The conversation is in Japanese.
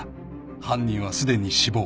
［犯人はすでに死亡］